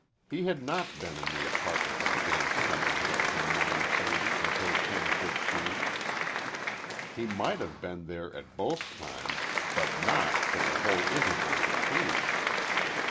He had not been in the apartment of James Cunningham from 9.30 until 10.15. He might have been there at both times, but not for the whole interval between.